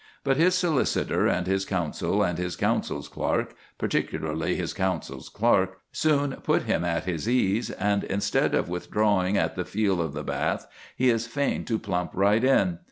But his solicitor and his counsel and his counsel's clerk particularly his counsel's clerk soon put him at his ease, and instead of withdrawing at the feel of the bath, he is fain to plump right in.